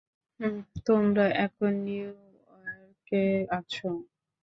তোমরা এখন নিউ ইয়র্কে আছো।